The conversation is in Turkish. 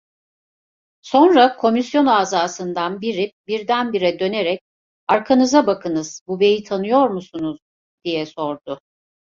Sonra komisyon azasından biri birdenbire dönerek: "Arkanıza bakınız, bu beyi tanıyor musunuz?" diye sordu.